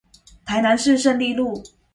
台南市勝利路